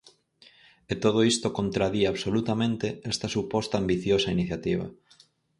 E todo isto contradí absolutamente esta suposta ambiciosa iniciativa.